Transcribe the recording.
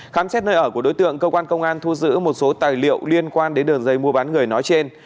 khám xét nơi ở của đối tượng cơ quan công an thu giữ một số tài liệu liên quan đến đường dây mua bán người nói trên